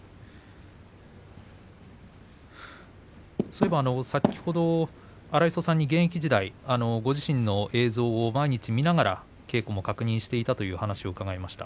そういえば、先ほど荒磯さんに現役時代、ご自身の映像を毎日見ながら稽古を確認していたというお話を伺いました。